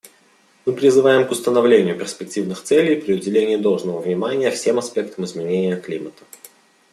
Мы призываем к установлению перспективных целей при уделении должного внимания всем аспектам изменения климата.